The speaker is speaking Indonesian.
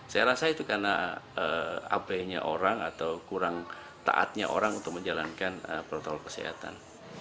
saya rasa itu karena abainya orang atau kurang taatnya orang untuk menjalankan protokol kesehatan